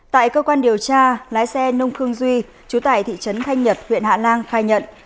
tại cơ quan điều tra lái xe nông khương duy chú tại thị trấn thanh nhật huyện hạ lan khai nhận